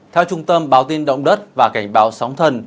theo trung tâm báo tin động đất và cảnh báo sóng thần